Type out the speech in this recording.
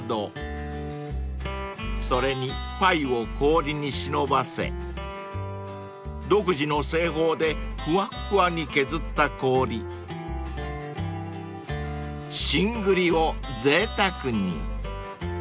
それにパイを氷に忍ばせ独自の製法でふわっふわに削った氷新栗をぜいたくに］